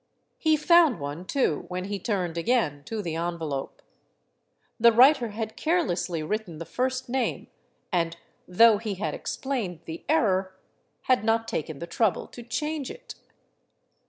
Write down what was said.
He found one, too, when he turned again to the envelope. The writer had carelessly written the first name and, though he had explained the error, had not taken the trouble to change it.